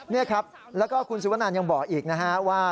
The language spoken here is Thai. นี่ครับแล้วก็คุณสุวนันยังบอกอีกนะฮะว่า